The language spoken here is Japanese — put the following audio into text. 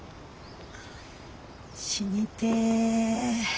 死にてえ。